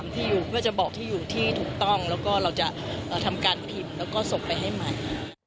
ที่อยู่ที่ถูกต้องแล้วก็เราจะทำการผิดแล้วก็สบไปให้ใหม่